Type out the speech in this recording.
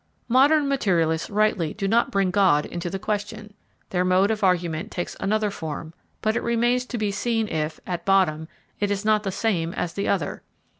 Modern materialists rightly do not bring God into the question. Their mode of argument takes another form; but it remains to be seen if, at bottom, it is not the same as the other.